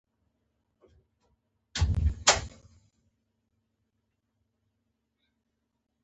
اسداباد د کونړ ښار دی